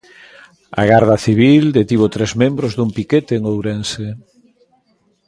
A Garda Civil detivo tres membros dun piquete en Ourense.